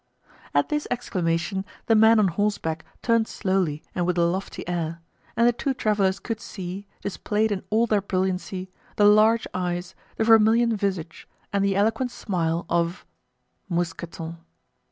At this exclamation the man on horseback turned slowly and with a lofty air, and the two travelers could see, displayed in all their brilliancy, the large eyes, the vermilion visage, and the eloquent smile of—Mousqueton.